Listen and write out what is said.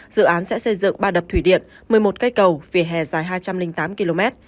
dự án sẽ xây dựng ba đập thủy điện một mươi một cây cầu vỉa hè dài hai trăm linh tám km